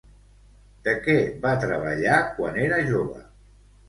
De què va treballar quan era jove?